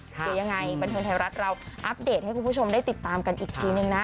เดี๋ยวยังไงบันเทิงไทยรัฐเราอัปเดตให้คุณผู้ชมได้ติดตามกันอีกทีนึงนะ